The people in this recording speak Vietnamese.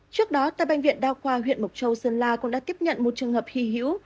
trước đó tại bệnh viện đa khoa huyện mộc châu sơn la cũng đã tiếp nhận một trường hợp hy hữu